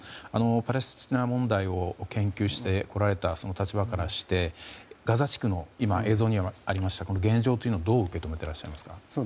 パレスチナ問題を研究してこられたその立場からしてガザ地区の現状というのはどう受け止めていらっしゃいますか？